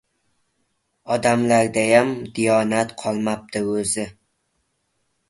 — Odamlardayam diyonat qolmapti o‘zi!